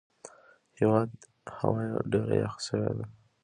هوا ډېره یخه سوې ده.